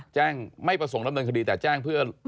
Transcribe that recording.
ไม่ประสงค์ดำเนินคดีแต่แจ้งเพื่อ